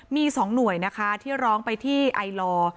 มี๒หน่วยนะคะที่ร้องไปที่ไอลอร์